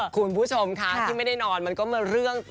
คุณผู้ชมคะที่ไม่ได้นอนมันก็มาเรื่อง